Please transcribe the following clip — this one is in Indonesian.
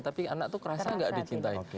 tapi anak tuh kerasa nggak dicintai